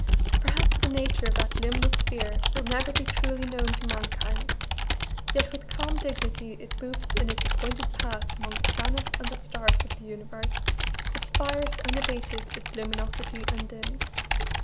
Perhaps the nature of that luminous sphere will never be truly known to mankind; yet with calm dignity it moves in its appointed path among the planets and the stars of the universe, its fires unabated, its luminosity undimmed.